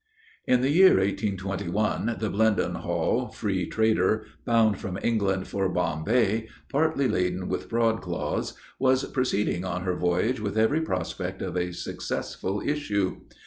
] SHIPWRECK OF THE BLENDENHALL. In the year 1821, the Blendenhall, free trader, bound from England for Bombay, partly laden with broadcloths, was proceeding on her voyage with every prospect of a successful issue.